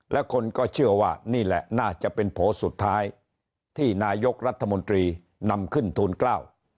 และคนก็เชื่อว่านี่แหละน่าจะเป็นโผล่สุดท้ายที่นายกรัฐมนตรีนำขึ้นทูลเกล้า